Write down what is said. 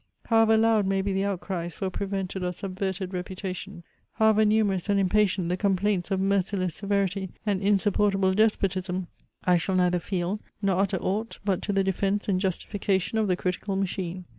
However loud may be the outcries for prevented or subverted reputation, however numerous and impatient the complaints of merciless severity and insupportable despotism, I shall neither feel, nor utter aught but to the defence and justification of the critical machine.